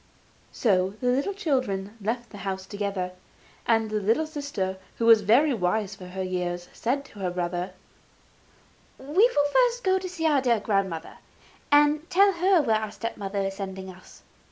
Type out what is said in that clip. So the children left the house together; and the little sister, who was very wise for her years, said to the brother: 'We will first go and see our own dear grandmother, and tell her where our step mother is sending us.